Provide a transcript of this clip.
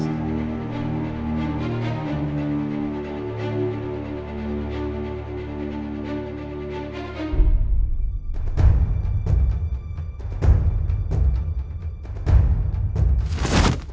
kakek mencari ibu